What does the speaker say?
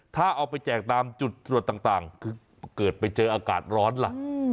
ถ้าเอาไปแจกตามจุดตรวจต่างคือเกิดไปเจออากาศร้อนล่ะ